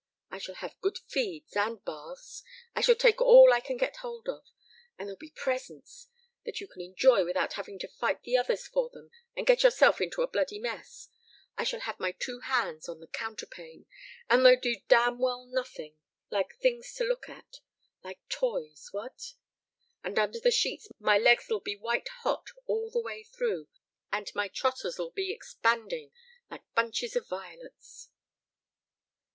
I shall have good feeds, and baths. I shall take all I can get hold of. And there'll be presents that you can enjoy without having to fight the others for them and get yourself into a bloody mess. I shall have my two hands on the counterpane, and they'll do damn well nothing, like things to look at like toys, what? And under the sheets my legs'll be white hot all the way through, and my trotters'll be expanding like bunches of violets."